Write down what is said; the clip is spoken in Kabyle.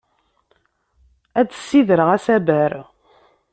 Ad d-ssidreɣ asaber.